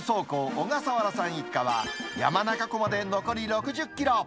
小笠原さん一家は、山中湖まで残り６０キロ。